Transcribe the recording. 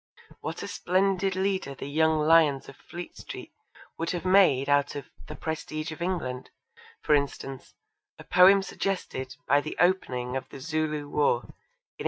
What a splendid leader the young lions of Fleet Street would have made out of The Prestige of England, for instance, a poem suggested by the opening of the Zulu war in 1879.